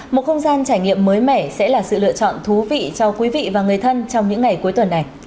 một không gian trải nghiệm mới mẻ sẽ là sự lựa chọn thú vị cho quý vị và người thân trong những ngày cuối tuần này